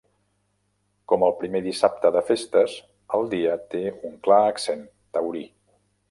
Com el primer dissabte de festes, el dia té un clar accent taurí.